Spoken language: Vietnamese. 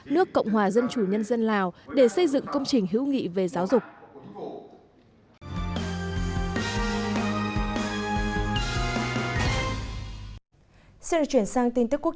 nước cộng hòa dân chủ nhân dân lào để xây dựng công trình hữu nghị về giáo dục